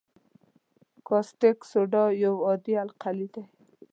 کاستک سوډا یو عادي القلي ده.